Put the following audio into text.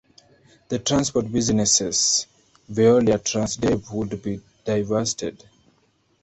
The transport businesses Veolia Transdev would be divested.